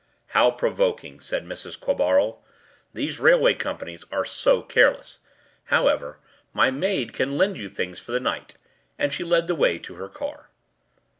“How provoking,” said Mrs. Quabarl; “these railway companies are so careless. However, my maid can lend you things for the night,” and she led the way to her car.